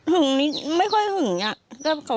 หึงนิไม่ค่อยหึงอ่ะ